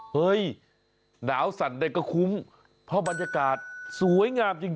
เฮ้ยหนาวสั่นได้ก็คุ้มเพราะบรรยากาศสวยงามจริง